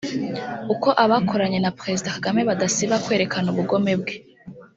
uko abakoranye na Président Kagame badasiba kwerekana ubugome bwe